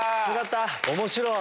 面白い！